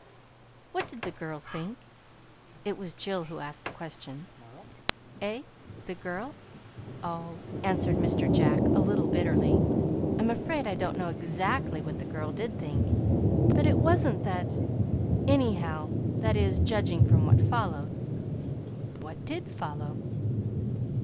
"What did the girl think?" It was Jill who asked the question. "Eh? The girl? Oh," answered Mr. Jack, a little bitterly, "I'm afraid I don't know exactly what the girl did think, but it was n't that, anyhow that is, judging from what followed." "What did follow?"